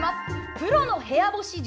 プロの部屋干し術。